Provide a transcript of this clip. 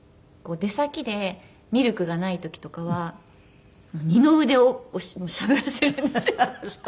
出先でミルクがない時とかは二の腕をしゃぶらせるんですよ。